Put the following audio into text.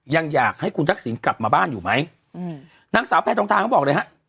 ยังอยากให้คุณทักษิณกลับมาบ้านอยู่ไหมอืมนางสาวแพทองทานเขาบอกเลยฮะ